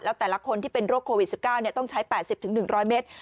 แล้วแต่ละคนที่เป็นโรคโควิด๑๙ต้องใช้๘๐๑๐๐เมตร